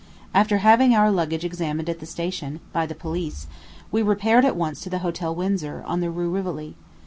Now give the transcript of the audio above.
After having our luggage examined at the station, by the police, we repaired at once to the Hotel Windsor, on the Rue Rivoli.